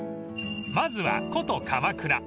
［まずは古都鎌倉］